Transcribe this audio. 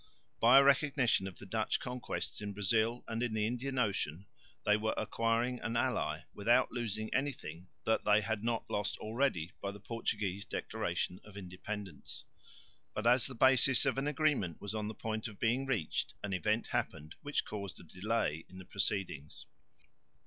By a recognition of the Dutch conquests in Brazil and in the Indian Ocean they were acquiring an ally without losing anything that they had not lost already by the Portuguese declaration of independence. But, as the basis of an agreement was on the point of being reached, an event happened which caused a delay in the proceedings.